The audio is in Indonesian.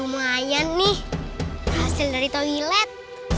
lumayan nih hasil dari toilet